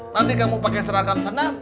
nanti kamu pakai seragam senam